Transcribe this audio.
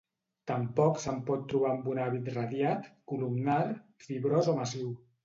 Tampoc se'n pot trobar amb un hàbit radiat, columnar, fibrós o massiu.